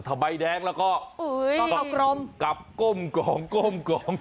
ถ้าใบแดงแล้วก็กลับก้มก้มก้ม